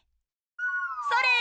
それ！